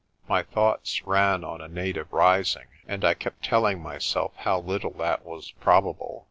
My thoughts ran on a native rising, and I kept telling myself how little that was probable.